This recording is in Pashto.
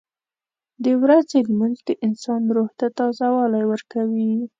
• د ورځې لمونځ د انسان روح ته تازهوالی ورکوي.